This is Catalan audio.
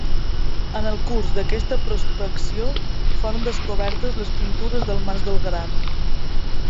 En el curs d'aquesta prospecció foren descobertes les pintures del Mas del Gran.